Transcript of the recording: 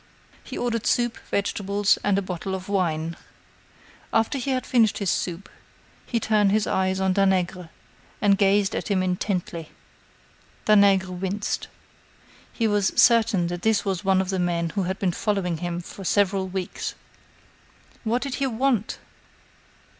He ordered soup, vegetables, and a bottle of wine. After he had finished his soup, he turned his eyes on Danègre, and gazed at him intently. Danègre winced. He was certain that this was one of the men who had been following him for several weeks. What did he want?